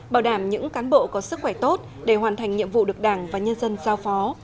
bảo đảm những cán bộ có sức khỏe tốt để hoàn thành nhiệm vụ được đảng và nhân dân giao phó